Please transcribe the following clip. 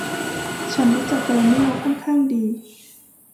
ฉันรู้จักแดนเนียลค่อนข้างดี